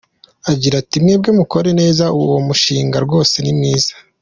Agira ati “Mwebwe mukore neza uwo mushinga rwose ni mwiza.